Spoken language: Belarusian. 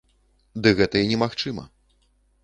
Ды гэта і немагчыма.